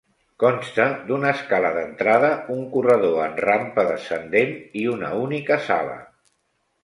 Consta d'una escala d'entrada, un corredor en rampa descendent i una única sala.